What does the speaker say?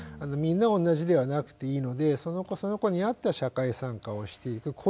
みんな同じではなくていいのでその子その子に合った社会参加をしていく。